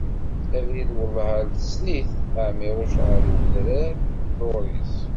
Abrid Welleh ar tessen-it, Ɛmiruc ɣer udran n Luris.